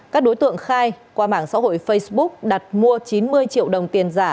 các đối tượng khai qua mạng xã hội facebook đặt mua chín mươi triệu đồng tiền giả